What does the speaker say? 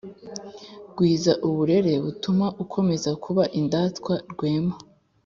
gwiza uburere butuma ukomeza kuba indatwa rwema.